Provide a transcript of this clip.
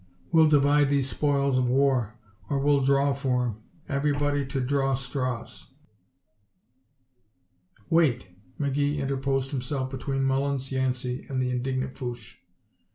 We'll divide these spoils of war or we'll draw for 'em. Everyone to draw straws." "Wait!" McGee interposed himself between Mullins, Yancey, and the indignant Fouche.